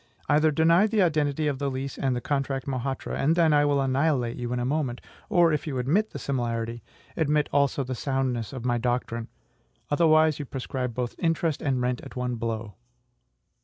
Either deny the identity of the lease and the contract Mohatra, and then I will annihilate you in a moment; or, if you admit the similarity, admit also the soundness of my doctrine: otherwise you proscribe both interest and rent at one blow"?